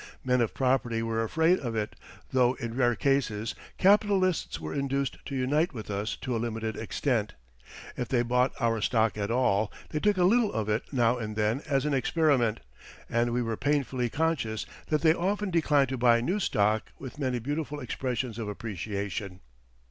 Men of property were afraid of it, though in rare cases capitalists were induced to unite with us to a limited extent. If they bought our stock at all, they took a little of it now and then as an experiment, and we were painfully conscious that they often declined to buy new stock with many beautiful expressions of appreciation.